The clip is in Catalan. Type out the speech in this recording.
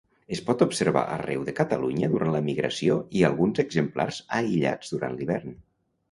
Es pot observar arreu de Catalunya durant la migració i alguns exemplars aïllats durant l'hivern.